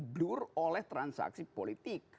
blur oleh transaksi politik